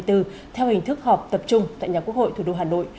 theo hình thức họp tập trung tại nhà quốc hội thủ đô hà nội